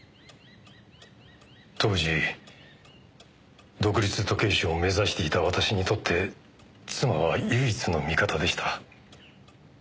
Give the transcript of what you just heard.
当時独立時計師を目指していた私にとって妻は唯一の味方でした。